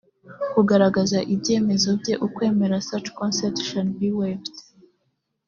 kugaragaza ibitekerezo bye ukwemera such consent shall be waived